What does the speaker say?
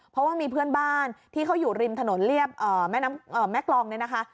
เพราะว่ามีเพื่อนบ้านที่เขาอยู่ริมถนนเรียบแม่น้ำแม่กรองเนี่ยนะคะ